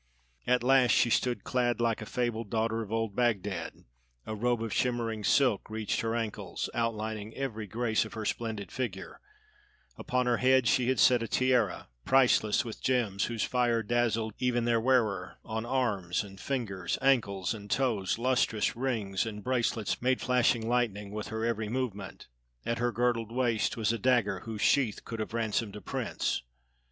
At last she stood clad like a fabled daughter of old Bagdad; a robe of shimmering silk reached her ankles, outlining every grace of her splendid figure; upon her head she had set a tiara, priceless with gems whose fire dazzled even their wearer; on arms and fingers, ankles and toes, lustrous rings and bracelets made flashing lightning with her every movement; at her girdled waist was a dagger whose sheath could have ransomed a prince.